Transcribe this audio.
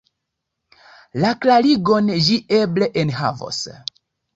La klarigon ĝi eble enhavos.